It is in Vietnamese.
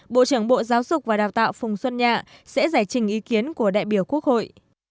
bộ trưởng bộ giáo dục và đào tạo phùng xuân nhạ sẽ giải trình ý kiến của đại biểu quốc hội